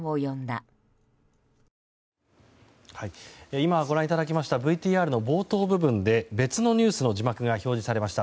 今ご覧いただきましたＶＴＲの冒頭部分で別のニュースの字幕が表示されました。